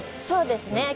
そうですね。